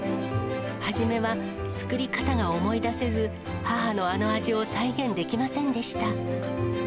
初めは、作り方が思い出せず、母のあの味を再現できませんでした。